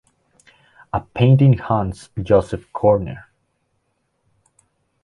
A painting haunts Joseph Koerner.